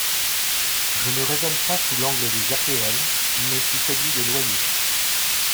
Je ne raisonne pas sous l’angle des APL mais sous celui des loyers.